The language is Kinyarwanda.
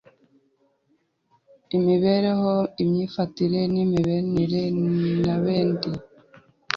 imibereho, imyifetire n’imibenire n’ebendi;